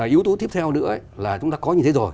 yếu tố tiếp theo nữa là chúng ta có như thế rồi